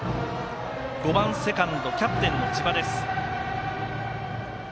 ５番セカンドキャプテンの千葉です。